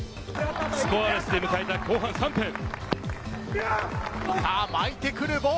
スコアレスで迎えた後半３分。